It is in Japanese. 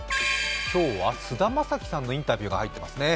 今日は菅田将暉さんのインタビューが入ってますね。